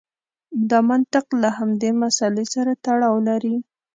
دا منطق له همدې مسئلې سره تړاو لري.